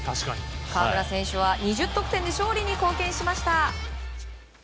河村選手は２０得点で勝利に貢献しました。